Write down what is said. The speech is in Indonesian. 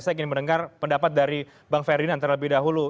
saya ingin mendengar pendapat dari bang ferdinand terlebih dahulu